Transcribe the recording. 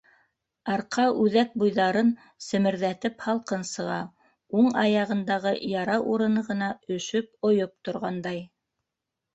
Арҡа-үҙәк буйҙарын семерҙәтеп һалҡын сыға, уң аяғындағы яра урыны ғына өшөп, ойоп торғандай.